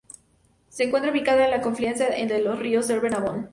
Se encuentra ubicada en la confluencia de los ríos Severn Avon.